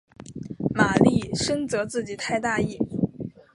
玛丽深责自己太大意。